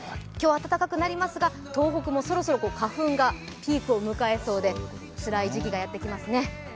今日、暖かくなりますが東北も花粉がピークを迎えそうでつらい時期がやってきますね。